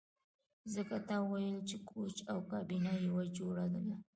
ځکه تا ویل چې کوچ او کابینه یوه جوړه ده